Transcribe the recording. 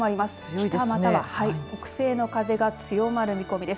北または北西の風が強まる見込みです。